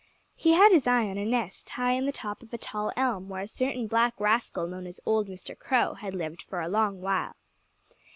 He had his eye on a nest high in the top of a tall elm, where a certain black rascal known as old Mr. Crow had lived for a long while.